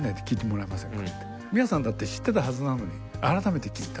宮さんだって知ってたはずなのに改めて聴いた。